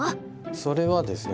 それはですね